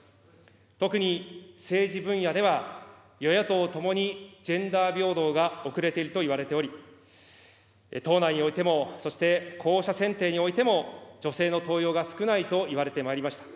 特に政治分野では、与野党ともにジェンダー平等が後れているといわれており、党内においても、そして候補者選定においても、女性の登用が少ないといわれてまいりました。